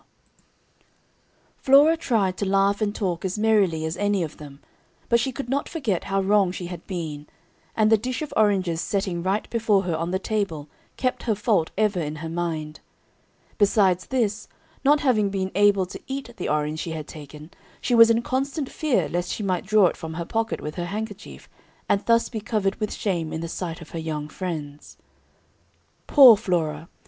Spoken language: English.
[Illustration: "Blindman's Buff"] Flora tried to laugh and talk as merrily as any of them, but she could not forget how wrong she had been; and the dish of oranges setting right before her on the table kept her fault ever in her mind. Besides this, not having been able to eat the orange she had taken, she was in constant fear lest she might draw it from her pocket with her handkerchief, and thus be covered with shame in the sight of her young friends. Poor Flora!